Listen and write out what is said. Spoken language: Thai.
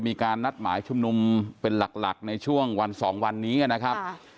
มีการนัดหมายชุมนุมเป็นหลักในช่วงวัน๒วันนี้นะครับ